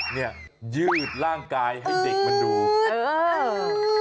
เนี่ยยืดร่างกายให้เด็กมันดูเออ